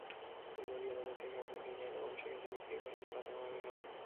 ফুলবাড়িয়া বাজার থেকে কাপড় কিনে এনে মানুষের কাছে বিক্রি করেন ফাতেমা বেগম।